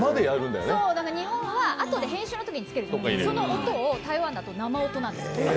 日本はあとで編集のときにつけるんだけどその音を台湾だと生音なんです。